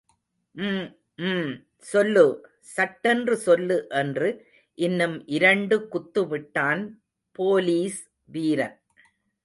ம், ம், சொல்லு, சட்டென்று சொல்லு என்று இன்னும் இரண்டு குத்துவிட்டான் போலீஸ் வீரன்.